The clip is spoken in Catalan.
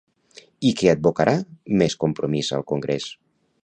I què advocarà Més Compromís al Congrés?